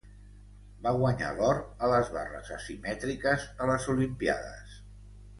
Va guanyar l'or a les barres asimètriques a les Olimpíades